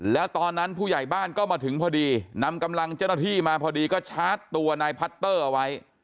แล้วตอนนั้นผู้ใหญ่บ้านก็มาถึงพอดีนำกำลังเจ้าหน้าที่มาพอดีก็ชาร์จตัวนายพัตเตอร์เอาไว้